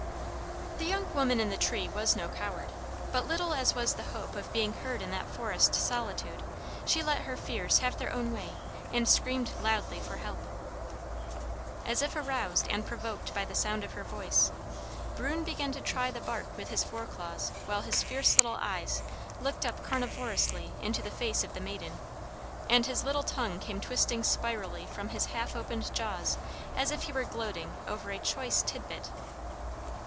The young woman in the tree was no coward, but little as was the hope of being heard in that forest solitude she let her fears have their own way and screamed loudly for help. As if aroused and provoked by the sound of her voice, bruin began to try the bark with his foreclaws while his fierce little eyes looked up carnivorously into the face of the maiden, and his little tongue came twisting spirally from his half opened jaws as if he were gloating over a choice titbit.